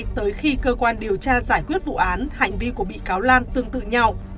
tới khi cơ quan điều tra giải quyết vụ án hành vi của bị cáo lan tương tự nhau